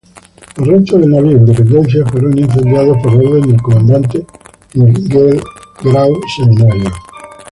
Los restos del navío "Independencia" fueron incendiados por orden del comandante Miguel Grau Seminario.